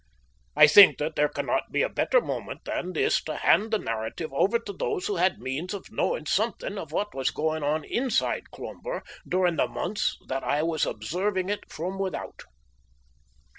I think that there cannot be a better moment than this to hand the narrative over to those who had means of knowing something of what was going on inside Cloomber during the months that I was observing it from without.